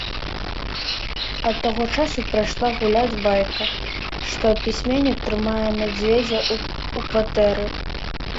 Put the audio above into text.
Ад таго часу пайшла гуляць байка, што пісьменнік трымае мядзведзя ў кватэры.